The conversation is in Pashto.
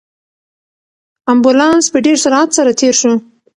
امبولانس په ډېر سرعت سره تېر شو.